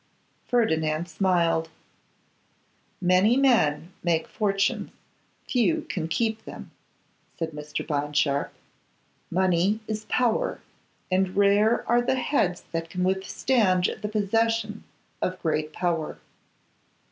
Ferdinand smiled. 'Many men make fortunes; few can keep them,' said Mr. Bond Sharpe. 'Money is power, and rare are the heads that can withstand the possession of great power.